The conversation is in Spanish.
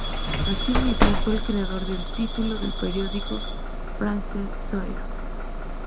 Asimismo fue el creador del título del periódico "France-Soir".